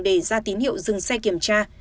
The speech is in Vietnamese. để ra tín hiệu dừng xe kiểm tra